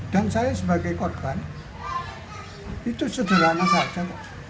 saya sebagai korban itu sederhana saja